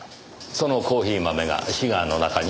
そのコーヒー豆がシガーの中に？